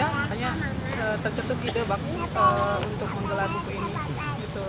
makanya tercetus ide baku untuk menggelar buku ini